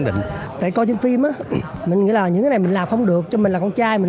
để trông ngang bằng với chị vân